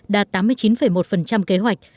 đạt tám mươi chín một kế hoạch